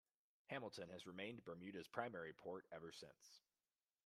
Hamilton has remained Bermuda's primary port ever since.